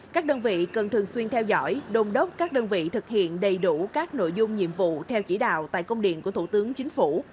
các đơn vị cần thường xuyên theo dõi đồn đốc các đơn vị thực hiện đầy đủ các nội dung nhiệm vụ theo chỉ đạo tại công điện của thủ tướng chính phủ